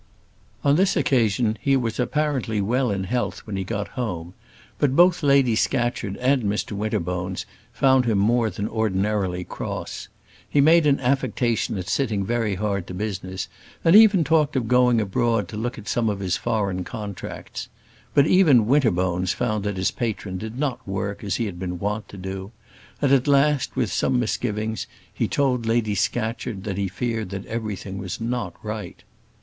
On this occasion he was apparently well in health when he got home; but both Lady Scatcherd and Mr Winterbones found him more than ordinarily cross. He made an affectation at sitting very hard to business, and even talked of going abroad to look at some of his foreign contracts. But even Winterbones found that his patron did not work as he had been wont to do; and at last, with some misgivings, he told Lady Scatcherd that he feared that everything was not right.